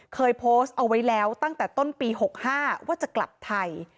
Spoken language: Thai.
เคยโพสต์เอาไว้แล้วตั้งแต่ต้นปี๖๕ว่าจะกลับไทย